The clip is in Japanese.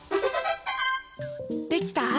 できた？